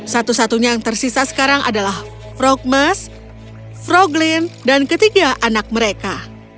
satu satunya yang tersisa sekarang adalah frogmas froglin dan ketiga anak mereka